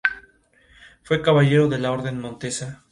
Fue caballero de la Orden de Montesa.